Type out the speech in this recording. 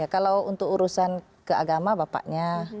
kalau untuk urusan keagama bapaknya